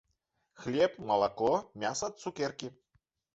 Хлеб, малако, мяса, цукеркі.